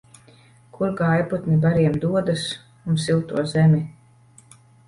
Kur gājputni bariem dodas un silto zemi?